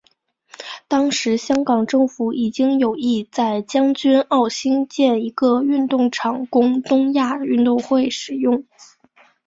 当时香港政府已经有意在将军澳兴建一个运动场供东亚运动会使用。